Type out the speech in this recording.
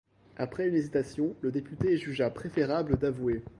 Après une hésitation, le député jugea préférable d'avouer.